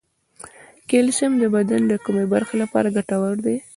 کلسیم د بدن د کومې برخې لپاره ګټور دی